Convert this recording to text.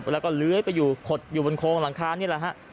แล้วก็เลื้อยไปอยู่ขดอยู่บนโครงหลังคานี่แหละฮะ